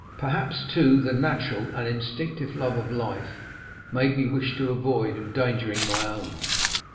Perhaps, too, the natural and instinctive love of life made me wish to avoid endangering my own.